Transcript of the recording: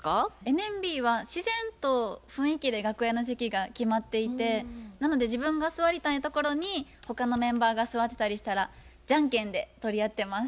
ＮＭＢは自然と雰囲気で楽屋の席が決まっていてなので自分が座りたいところに他のメンバーが座ってたりしたらじゃんけんで取り合ってます。